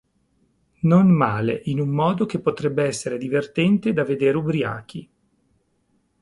Non male in un modo che potrebbe essere divertente da vedere ubriachi.